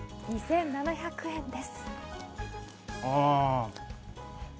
２７００円です。